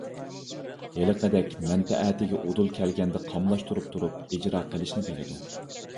ھېلىقىدەك مەنپەئەتىگە ئۇدۇل كەلگەندە قاملاشتۇرۇپ تۇرۇپ ئىجرا قىلىشنى بىلىدۇ.